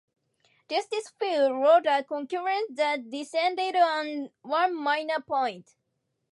Justice Field wrote a concurrence that dissented on one minor point.